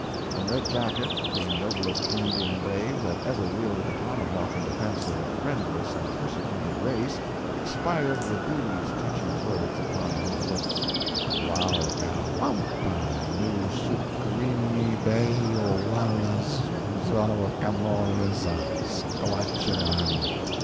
And Red Jacket, the noblest Indian brave that ever wielded a tomahawk in defence of a friendless and persecuted race, expired with these touching words upon his lips, "Wawkawampanoosucwinnebayowallazvsagamoresa skatchewan."